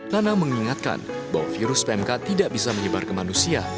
nana mengingatkan bahwa virus pmk tidak bisa menyebar ke manusia